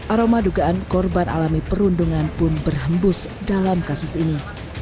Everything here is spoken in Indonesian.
aroma dugaan korban alami perundungan pun berhembus dalam kasus ini